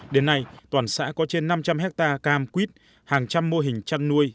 đến nay toàn xã có trên năm trăm linh hectare cam quýt hàng trăm mô hình chăn nuôi